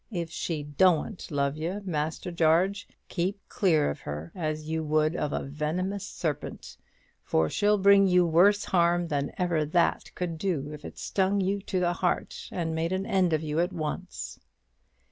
If she doan't love you, Master Jarge, keep clear of her as you would of a venomous serpent; for she'll bring you worse harm than ever that could do, if it stung you to the heart, and made an end of you at once.